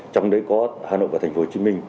trong đấy có hà nội và tp hcm